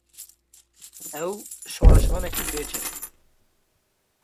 Ew, şoreşvanekî bê çek bû